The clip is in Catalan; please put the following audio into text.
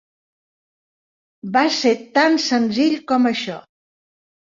Va ser tan senzill com això!